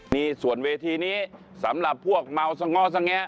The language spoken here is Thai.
นี่ส่วนเวทีนี้สำหรับพวกเมาสงอสแงะ